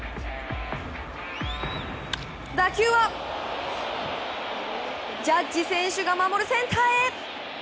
打球はジャッジ選手が守るセンターへ。